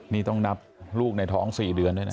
นี่ต้องนับลูกในท้อง๔เดือนด้วยนะ